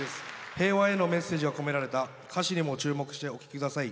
平和へのメッセージが込められた歌詞にも注目してお聞き下さい。